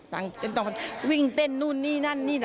ตังค์เป็นตังค์วิ่งเต้นนู่นนี่นั่นนี่